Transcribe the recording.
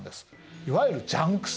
いわゆるジャンク船。